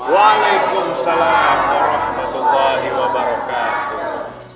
waalaikumsalam warahmatullahi wabarakatuh